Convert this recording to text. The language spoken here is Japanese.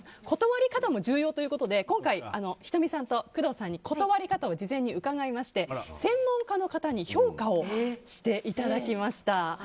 断り方も重要でということで今回、仁美さんと工藤さんに断り方を事前に伺いまして専門家の方に評価をしていただきました。